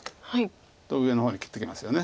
と上の方に切ってきますよね。